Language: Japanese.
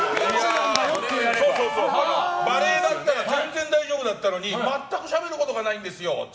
バレーだったら全然大丈夫だったのに全くしゃべることがないんですよって。